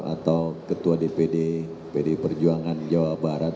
atau ketua dpd pdi perjuangan jawa barat